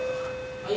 はい。